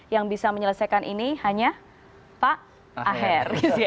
yang bisa menyelesaikan ini hanya pak aher